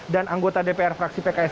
dan anggota dpr fraksi pks